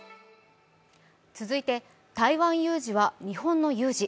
続いて台湾有事は日本の有事。